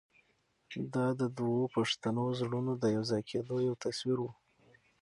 دا د دوو پښتنو زړونو د یو ځای کېدو یو تصویر و.